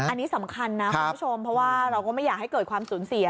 อันนี้สำคัญนะคุณผู้ชมเพราะว่าเราก็ไม่อยากให้เกิดความสูญเสีย